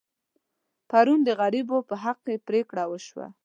پرون د غریبو په حق کې پرېکړه وشوه.